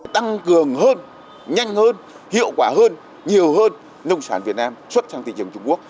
tăng cường hơn nhanh hơn hiệu quả hơn nhiều hơn nông sản việt nam xuất sang thị trường trung quốc